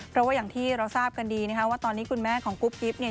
เพราะว่าอย่างที่เราทราบกันดีนะคะว่าตอนนี้คุณแม่ของกุ๊บกิ๊บเนี่ย